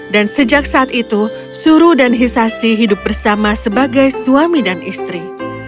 dan sejak saat itu suruh dan hisashi hidup bersama sebagai suami dan istri